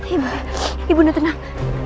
ibu ibu tenang